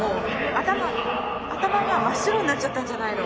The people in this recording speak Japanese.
頭頭が真っ白になっちゃったんじゃないの？